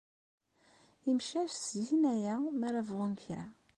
Imcac ttgen aya mi ara bɣun kra.